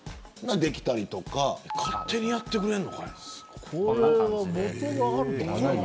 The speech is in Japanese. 勝手にやってくれんのかい。